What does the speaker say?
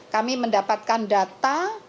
kami mendapatkan data